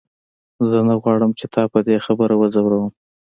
زه نه غواړم چې تا په دې خبره وځوروم.